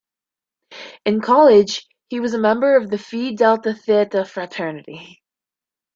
In college, he was a member of the Phi Delta Theta fraternity.